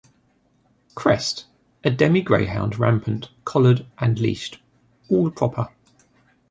Crest: a demi greyhound rampant, collared and leashed, all proper.